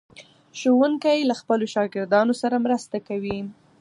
ښوونکی له خپلو شاګردانو سره مرسته کوي.